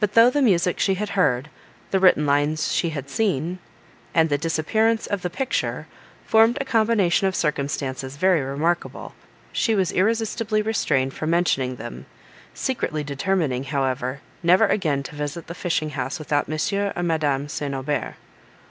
But though the music she had heard, the written lines she had seen, and the disappearance of the picture, formed a combination of circumstances very remarkable, she was irresistibly restrained from mentioning them; secretly determining, however, never again to visit the fishing house without Monsieur or Madame St. Aubert.